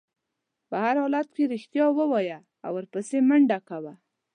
په هر حالت کې رښتیا ووایه او ورپسې منډه کوه.